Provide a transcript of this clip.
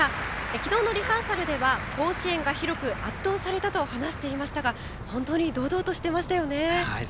昨日のリハーサルでは甲子園が広く圧倒されたと話していましたが本当に堂々としていました。